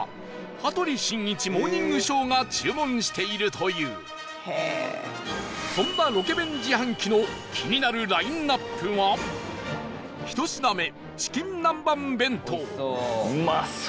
羽鳥慎一モーニングショー』が注文しているというそんな、ロケ弁自販機の気になるラインアップは１品目、チキン南蛮弁当富澤：うまそう！